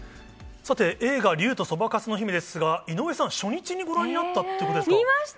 さて、映画、竜とそばかすの姫ですが、井上さん、初日にご覧になったというこ見ました。